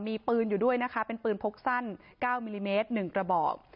มีปืนอยู่ด้วยนะคะเป็นปืนพกสั้น๙มิลลิเมตร๑กระบอก